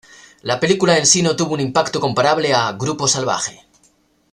La película en sí no tuvo un impacto comparable a "Grupo salvaje".